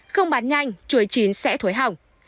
không bán nhanh chuối chín sẽ thối hào